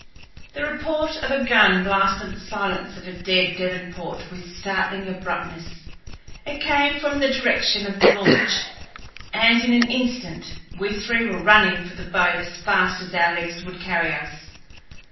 The report of a gun blasted the silence of a dead Devonport with startling abruptness. It came from the direction of the launch, and in an instant we three were running for the boat as fast as our legs would carry us.